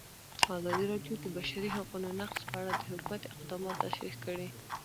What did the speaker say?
ازادي راډیو د د بشري حقونو نقض په اړه د حکومت اقدامات تشریح کړي.